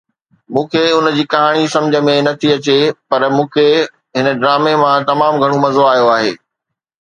مون کي ان جي ڪهاڻي سمجهه ۾ نه ٿي اچي پر مون کي هن ڊرامي مان تمام گهڻو مزو آيو آهي